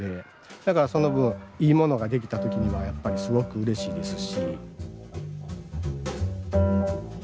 だからその分いいものができた時にはやっぱりすごくうれしいですし。